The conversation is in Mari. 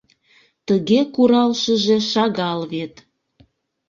Тыге куралшыже шагал вет.